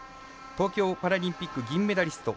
東京パラリンピック銀メダリスト。